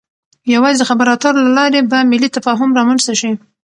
يوازې د خبرو اترو له لارې به ملی تفاهم رامنځته شي.